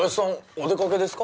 お出かけですか？